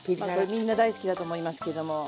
みんな大好きだと思いますけども。